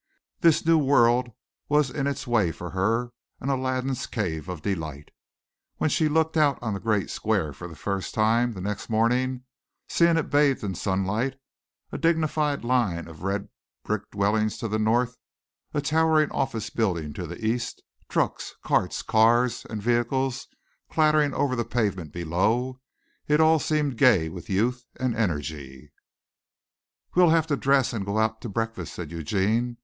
This new world was in its way for her an Aladdin's cave of delight. When she looked out on the great square for the first time the next morning, seeing it bathed in sunlight, a dignified line of red brick dwellings to the north, a towering office building to the east, trucks, carts, cars and vehicles clattering over the pavement below, it all seemed gay with youth and energy. "We'll have to dress and go out to breakfast," said Eugene.